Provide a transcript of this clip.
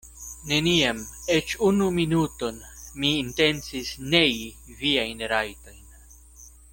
Neniam eĉ unu minuton mi intencis nei viajn rajtojn.